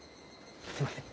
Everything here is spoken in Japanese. すみません。